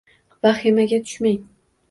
Vahimaga tushmang